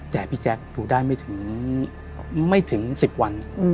แต่พี่แจ๊คอยู่ได้ไม่ถึง๑๐วัน